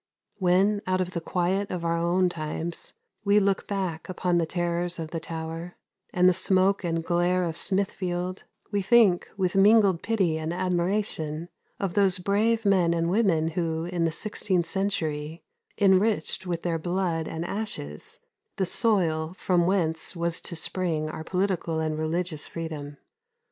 When, out of the quiet of our own times, we look back upon the terrors of the Tower, and the smoke and glare of Smithfield, we think with mingled pity and admiration of those brave men and women who, in the sixteenth century, enriched with their blood and ashes the soil from whence was to spring our political and religious freedom.